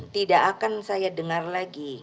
tidak akan saya dengar lagi